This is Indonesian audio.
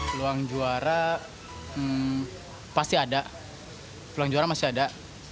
peluang juara pasti ada peluang juara masih ada